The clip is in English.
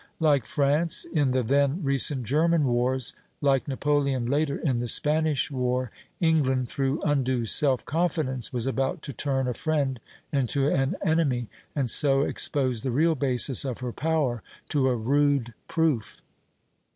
Like France in the then recent German wars, like Napoleon later in the Spanish war, England, through undue self confidence, was about to turn a friend into an enemy, and so expose the real basis of her power to a rude proof.